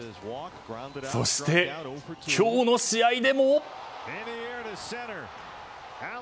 そして、今日の試合でも。